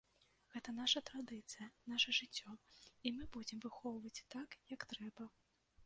Гэта наша традыцыя, наша жыццё, і мы будзем выхоўваць так, як трэба.